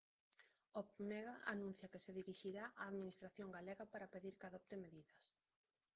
Opmega anuncia que se dirixirá á administración galega para pedir que adopte medidas.